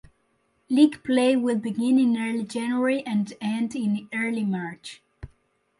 League play will begin in early January and end in early March.